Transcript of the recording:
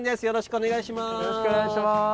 よろしくお願いします。